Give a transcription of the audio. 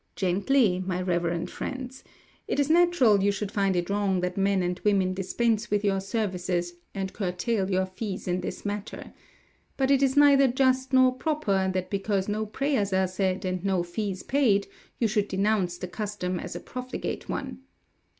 "Gently, my reverend friends! it is natural you should find it wrong that men and women dispense with your services and curtail your fees in this matter. But it is neither just nor proper, that because no prayers are said, and no fees paid, you should denounce the custom as a profligate one.